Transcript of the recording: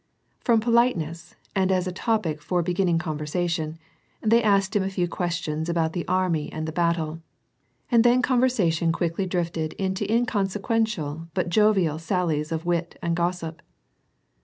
From poUieness, and as a topic for beginning conversation, they asked him a few questions about the army and the battle, and then conversation quickly drifted into inconsequential but jovial sallies of wit and gossip.